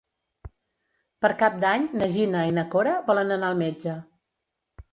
Per Cap d'Any na Gina i na Cora volen anar al metge.